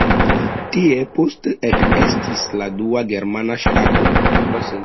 Tie poste ekestis la dua germana ŝtato.